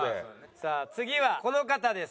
さあ次はこの方です。